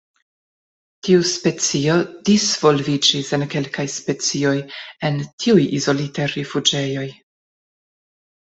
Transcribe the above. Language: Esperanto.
Tiu specio disvolviĝis en kelkaj specioj en tiuj izolitaj rifuĝejoj.